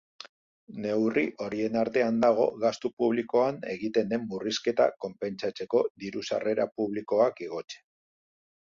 Neurri horien artean dago gastu publikoan egiten den murrizketa konpentsatzeko diru-sarrera publikoak igotzea.